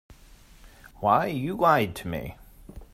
Why, you lied to me.